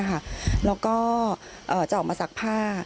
แล้วก็จะออกมาซักผ้า